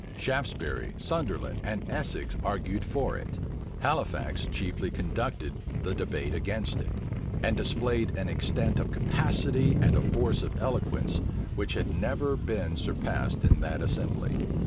Shaftesbury, Sunderland, and Essex argued for it; Halifax chiefly conducted the debate against it, and displayed an extent of capacity and a force of eloquence which had never been surpassed in that assembly.